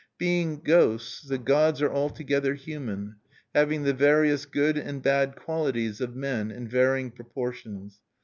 Being ghosts, the gods are altogether human, having the various good and bad qualities of men in varying proportions.